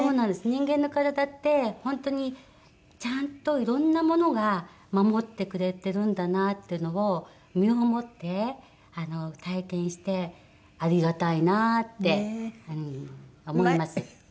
人間の体って本当にちゃんといろんなものが守ってくれてるんだなっていうのを身をもって体験してありがたいなって思います。